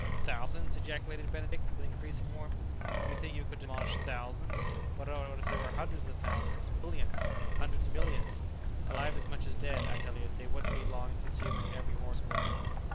"Thousands!" ejaculated Benedict, with increasing warmth; "you think you could demolish thousands; but what if they were hundreds of thousands, millions, hundreds of millions? Alive as much as dead, I tell you, they wouldn't be long in consuming every morsel of you."